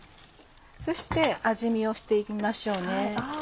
そして味見をして行きましょうね。